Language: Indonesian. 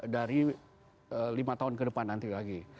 dari lima tahun ke depan nanti lagi